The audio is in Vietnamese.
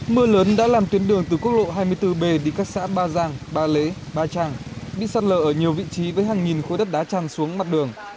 mưa lớn đã làm tuyến đường từ quốc lộ hai mươi bốn b đi các xã ba giang ba lễ ba trang bị sạt lở ở nhiều vị trí với hàng nghìn khối đất đá tràn xuống mặt đường